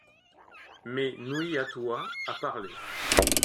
Mais Nouï-Atoua a parlé.